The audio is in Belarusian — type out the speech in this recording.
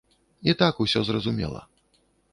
І так усё зразумела.